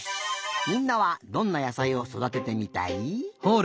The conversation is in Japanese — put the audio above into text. みんなはどんな野さいをそだててみたい？